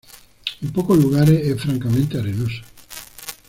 En pocos lugares es francamente arenoso.